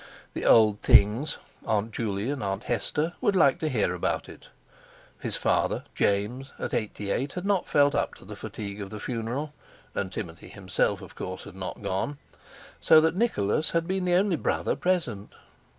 The "Old Things"—Aunt Juley and Aunt Hester—would like to hear about it. His father—James—at eighty eight had not felt up to the fatigue of the funeral; and Timothy himself, of course, had not gone; so that Nicholas had been the only brother present.